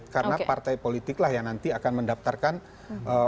karena partai politik lah yang nanti akan mendaftarkan calon presiden dan calon presiden lainnya